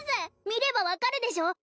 見れば分かるでしょう